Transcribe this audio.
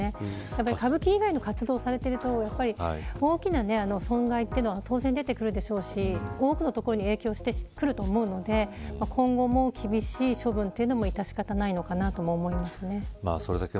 歌舞伎以外の活動もされていると大きな損害は当然出てくるでしょうし多くのところに影響すると思うので今後の厳しい処分も仕方ないかなと思います。